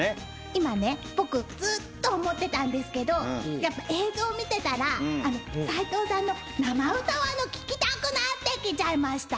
今ね僕ずっと思ってたんですけどやっぱ映像見てたら斉藤さんの生歌を聴きたくなってきちゃいました。